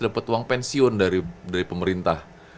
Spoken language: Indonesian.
dapat uang pensiun dari pemerintah